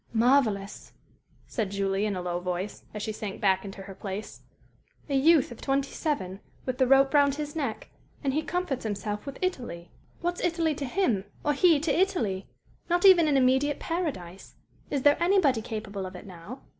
"Marvellous!" said Julie, in a low voice, as she sank back into her place. "A youth of twenty seven, with the rope round his neck, and he comforts himself with 'Italy.' What's 'Italy' to him, or he to 'Italy'?" Not even an immediate paradise. "Is there anybody capable of it now?"